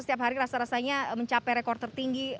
setiap hari rasa rasanya mencapai rekor tertinggi